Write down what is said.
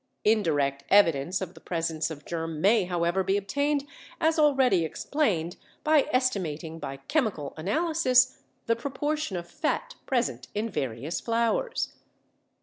Indirect evidence of the presence of germ may, however, be obtained as already explained by estimating by chemical analysis the proportion of fat present in various flours.